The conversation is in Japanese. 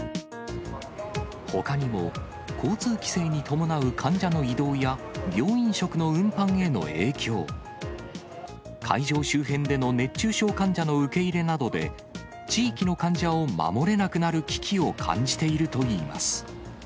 ほかにも、交通規制に伴う患者の移動や、病院食の運搬への影響、会場周辺での熱中症患者の受け入れなどで、地域の患者を守れなくなる危機を感じているといいます。